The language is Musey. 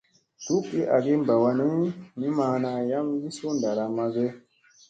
Dukki agi mɓa wanni, ni maana yam wi suu ɗaramma ge ?